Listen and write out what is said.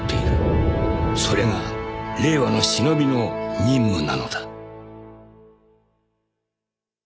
［それが令和の忍びの任務なのだ］